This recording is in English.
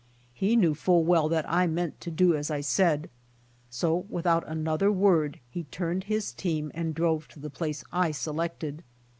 He knew full well that I meant to do as I said. So without another word he turned his team and drove to the place I selected.